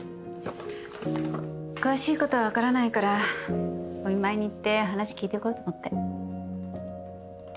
詳しいことは分からないからお見舞いに行って話聞いてこようと思って。